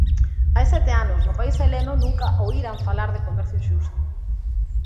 Hai sete anos, no país heleno nunca oíran falar de comercio xusto.